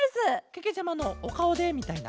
けけちゃまのおかおでみたいな？